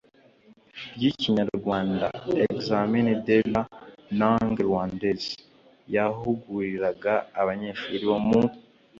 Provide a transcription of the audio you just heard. ry'ikinyarwanda (examen de la langue rwandaise) yahuguriraga abanyeshuri bo mu